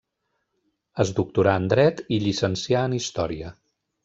Es doctorà en Dret i llicencià en Història.